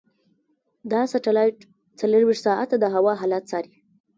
دا سټلایټ څلورویشت ساعته د هوا حالت څاري.